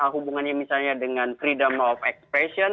hubungannya misalnya dengan freedom of expression